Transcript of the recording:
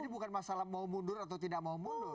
jadi bukan masalah mau mundur atau tidak mau mundur